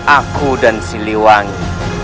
aku dan si liwangi